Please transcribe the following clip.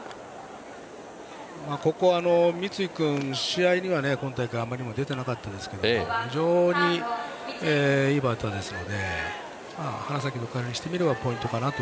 ここは三井君、試合には今大会あまり出てなかったですが非常にいいバッターですので花咲徳栄にしてみればポイントかなと。